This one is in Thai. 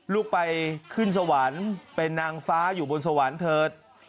ลูกไปขึ้นสวรรค์เป็นนางฟ้าอยู่บนสวรรค์เถิด